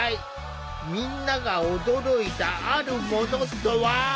みんなが驚いたあるものとは？